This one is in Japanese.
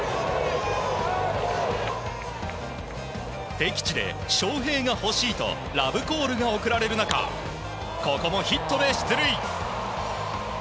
敵地で翔平が欲しいとラブコールが送られる中ここもヒットで出塁。